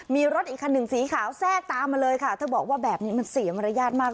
มีรถอีกคันหนึ่งสีขาวแทรกตามมาเลยค่ะเธอบอกว่าแบบนี้มันเสียมารยาทมาก